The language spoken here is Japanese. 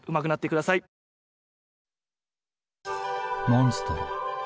モンストロ。